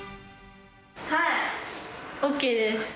はい、ＯＫです。